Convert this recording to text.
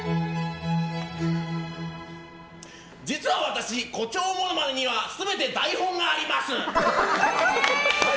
実は私、誇張ものまねには全て台本があります。